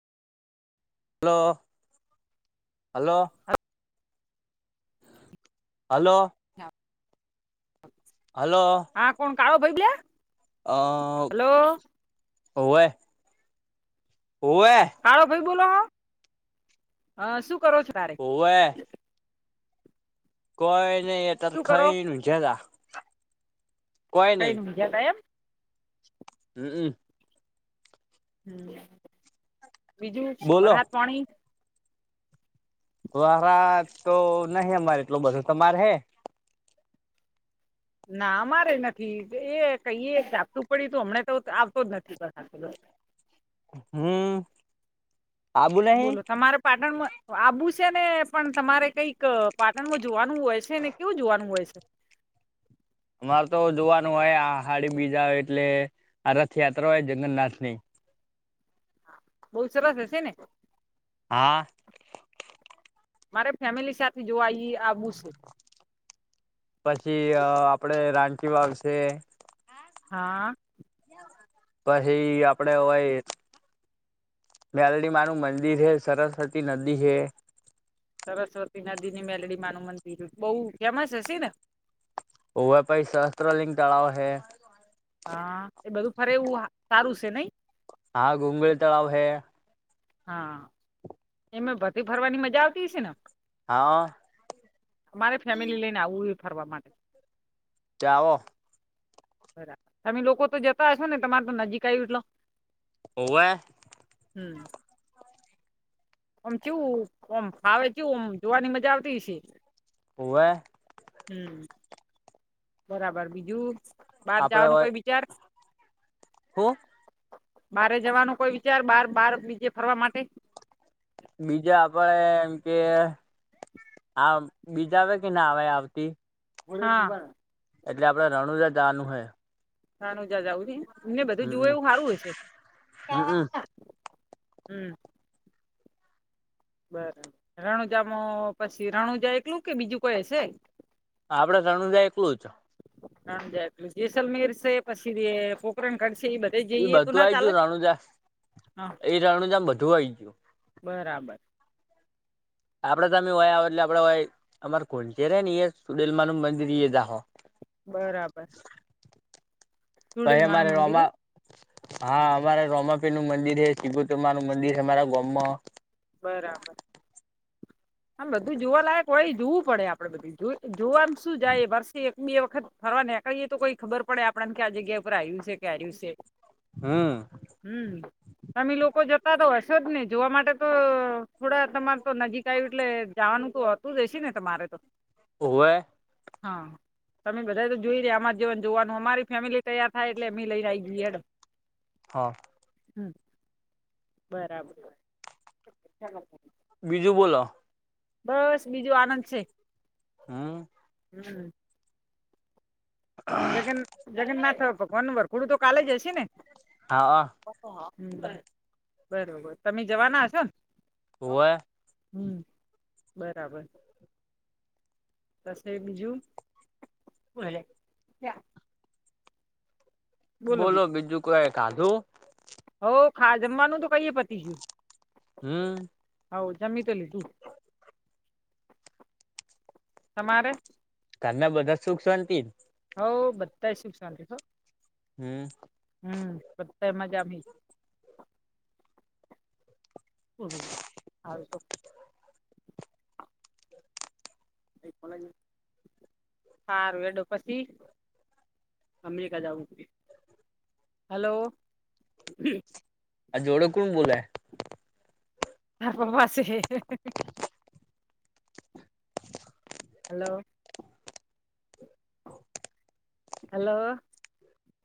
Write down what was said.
Hello, hello. Hello. Hello. હા કોણ કાળો [unintelligible] અહ હલો ઓવે હોવે. કાળો ભાઈ બોલો હો? હા શું કરો છો તારે? હોવે કોઈ નઈ અતાર શું કરો ખાઈલું જરા. કાઈ [unintelligible] એમ. હમ્મ-અમ્મ. હમ્મ. બીજું? બોલો ઘરાક પાણી? ઘરાક તો નહી અમારે એટલો બધો. તમાર હે? ના અમારેય નથી, એ કહીએ સાતું પડ્યું તો હમણાં તો આવતો જ નથી [unintelligible] હમ્મ. બોલો તમારે પાટણમાં આબુ સે ને પણ તમારે કૂઈક પાટણમાં જોવાનું હોય સે ને, કેવું જોવાનું હોય સે? અમારે તો જોવાનું હોય આહાડી બીજા એટલે આ રથયાત્રા હોય જગન્નાથ ની. બઉ સરસ હશે ને? હા. મારે ફેમિલી સાથે જોવા ઈ આવું સે. પછી અહ આપડે રાનકીવાવ સે. હા. પહીં આપણે હોય મેલડી માનું મંદિર હે, સરસ્વતી નદી હે. સરસ્વતી નદી ની મેલડી માં નું મંદિર, બહુ ફેમસ હશે ને? ઓવે પહીં સહસ્ત્રલિંગ તળાવ હૈ. હા. એ બધું ફરે એવું સારું સે નહીં? હા, ગુંગળ તળાવ હે. હા. એમાં ભરતી ભરવાની મજા આવતી હયને ના? હા. મારે ફેમિલી લઈને આવું એ ફરવા માટે. જાવો. બરાબર. તમે લોકો તો જતા હશો ને? તમાર તો નજીક આયું એટલો. હોવે. હમ્મ. ઓમ ચેવું ઓમ ફાવે કેવું આમ, જોવાની મજા આવતી હયશે. હોવે. હમ્મ. બરાબર બીજું બાર આપડે જવાનો હોય કોઈ વિચાર. હું બારે જવાનો કોઈ વિચાર બાર બાર બીજે ફરવા માટે. બીજા આપડે એમ કે આ બીજા આવે કે ના આવે આવતી. હા. એટલે આપડે રણુજા જાવાનું હે. નાાનુજા જાવું છે. એમને બધું જુવે હમમ એવું હારુ હશે. હમમ ના-ના. હમ્મ. બરાબર રણુજામાં પછી રણુજા એકલું કે બીજું કોઈ હશે. આપડે સણુજા એકલું જ. હમજ જેૈસલમેર પછી એ પોકરણઘડ છે એ બધ એઈ બધું આઈ ગયું રાણુજા હા એ રાણુજા મા બધું આઈ ગયું. બરાબર. આપડે તમે વોય આવે એટલે આપડેય વોય અમાર કોચે રે ને એ સુડેલમા નું મંદિર ઈ એય જાહુ. બરાબર. પછ ચુડીલમાનું મારે મંદિર એમ રોમા હા અમારે રોમાપીરનું મંદિર હૈ. સિબોતર માનું મંદિર હૈ અમારા ગોમમાં. બરાબર. આમ બધું જોવા લાયક કોઈ જોવું પડે આપડે બધું. જો જોવાનું શું જાય વર્ષે એક બે વખત ફરવાને. કઈએ તો કોઈ ખબર પડે આપડાને કે આ જગ્યા ઉપર આયુ સે કે આયુ સે. હમ્મ. હમ્મ તમે લોકો જતા તો હશો જ ને જોવા માટે તો થોડા તમારે તો નજીક આયુ એટલે જાવાનું તો હોતું જ હશે ને તમારે તો. ઓવે. હા. તમે બધા તો જોઈ રીયા આમાંર જેવાને જોવાનું અમારી ફેમિલી તૈયાર થાય એટલે એમી લઈને આઈ જીયે હેંડો. હા. હમ્મ બરાબર. ચાલો. બીજું બોલો. બસ બીજું આનંદ છે. હમ્મ. હમ્મ. જગન જગન્નાથ ભગવાનનું વરઘોડું તો કાલે જ હશે ને. હા. અ. બરોબર તમે જવાના હશો ન. હોવે. હમ્મ બરાબર. તશે બીજું ભલે. બોલો બીજું કોઈ ખાધું. હો ખા જમવાનું તો કઈ પતી ગિયું. હમ હાવ જમી તો લીધું તમારે? ઘરના બધા સુખ શોન્તી. હોવ બધાય સુખ શોન્તી હો. હમ હમ્મ બધાય મજા મેં. હ હ હાલતો. એ કોલેજ હારું હેંડો પછી અમેરિકા જાવું હૈ. હલો આ જોવડે કોણ બોલોય આપ પાસે હલો ઓ હલો